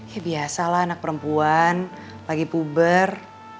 ya biasalah anak perempuan lagi puber